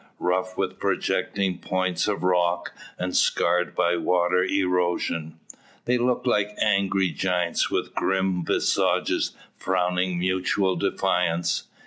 Rough with projecting points of rock, and scarred by water erosion, they look like angry giants with grim visages frowning mutual defiance.